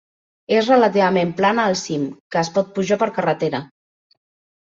És relativament plana al cim, que es pot pujar per carretera.